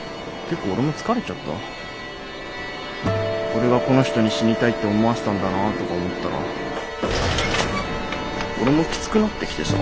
俺がこの人に死にたいって思わせたんだなとか思ったら俺もきつくなってきてさ。